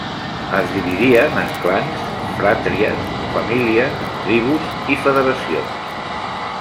Es dividien en clans, fratries, famílies, tribus i federacions.